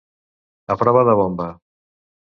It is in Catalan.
A prova de bomba.